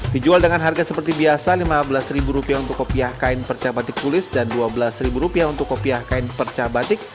dijual dengan harga seperti biasa rp lima belas untuk kopiah kain perca batik tulis dan rp dua belas untuk kopiah kain perca batik